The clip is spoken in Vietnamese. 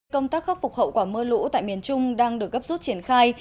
công tác khắc phục hậu quả mưa lũ tại miền trung đang được gấp rút triển khai